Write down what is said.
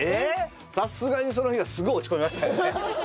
さすがにその日はすごい落ち込みましたよね。